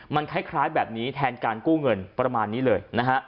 มันคล้ายแบบนี้แทนการกู้เงินประมาณนี้เลยนะฮะ